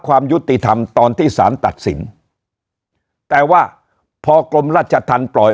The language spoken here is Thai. ความยุติธรรมตอนที่สารตัดสินแต่ว่าพอกรมราชธรรมปล่อย